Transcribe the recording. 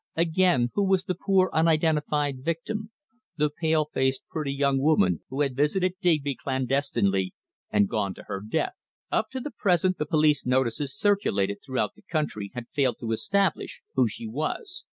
Again, who was the poor, unidentified victim the pale faced, pretty young woman who had visited Digby clandestinely, and gone to her death? Up to the present the police notices circulated throughout the country had failed to establish who she was.